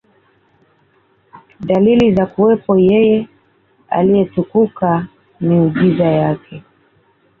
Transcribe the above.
dalili za kuwepo Yeye Aliyetukuka miujiza Yake